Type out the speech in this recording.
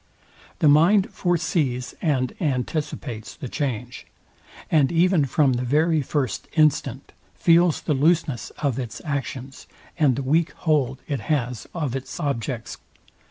The mind forsees and anticipates the change; and even from the very first instant feels the looseness of its actions, and the weak hold it has of its objects.